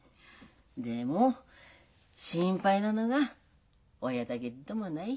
でも心配なのが親だけっどもない。